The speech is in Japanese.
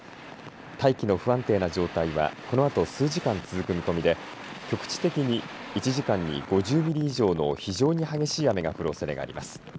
大気の不安定な状態はこのあと数時間続く見込みで局地的に１時間に５０ミリ以上の非常に激しい雨が降るおそれがあります。